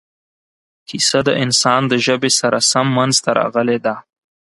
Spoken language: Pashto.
کیسه د انسان د ژبې سره سم منځته راغلې ده.